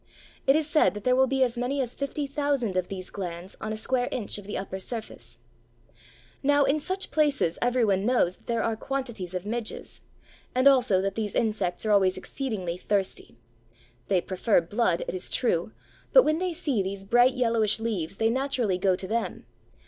It is said that there will be as many as fifty thousand of these glands on a square inch of the upper surface. Now in such places every one knows that there are quantities of midges, and also that these insects are always exceedingly thirsty. They prefer blood, it is true, but when they see these bright yellowish leaves they naturally go to them.